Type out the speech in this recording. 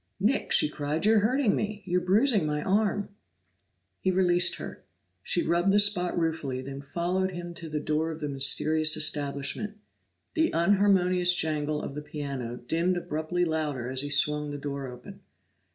"Nick!" she cried. "You're hurting me! You're bruising my arm!" He released her; she rubbed the spot ruefully, then followed him to the door of the mysterious establishment. The unharmonious jangle of the piano dinned abruptly louder as he swung the door open.